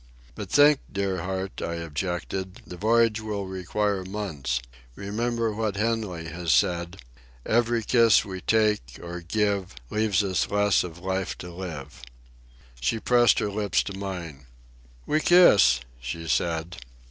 "But think, dear heart," I objected. "The voyage will require months. Remember what Henley has said: 'Every kiss we take or give leaves us less of life to live.'" She pressed her lips to mine. "We kiss," she said.